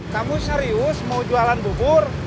kamu serius mau jualan bubur